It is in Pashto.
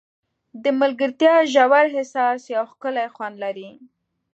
د ملګرتیا ژور احساس یو ښکلی خوند لري.